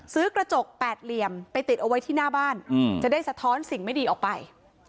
กระจกแปดเหลี่ยมไปติดเอาไว้ที่หน้าบ้านจะได้สะท้อนสิ่งไม่ดีออกไป